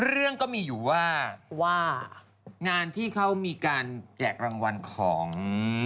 เรื่องก็มีอยู่ว่าว่างานที่เขามีการแจกรางวัลของ